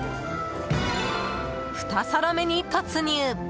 ２皿目に突入。